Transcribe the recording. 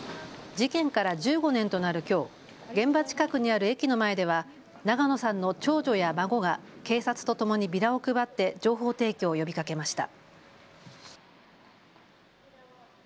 事件から１５年となるきょう、現場近くにある駅の前では永野さんの長女や孫が警察とともにビラを配って情報提供を呼びかけました。